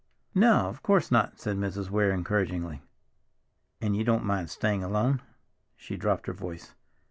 "No, of course not," said Mrs. Weir encouragingly. "And you don't mind staying alone?" she dropped her voice.